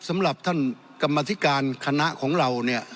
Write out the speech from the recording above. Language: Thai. สำหรับท่านกรรมธิการคณะของเราเนี่ย